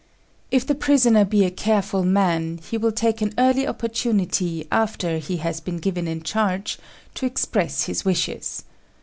If the prisoner be a careful man, he will take an early opportunity after he has been given in charge to express his wishes.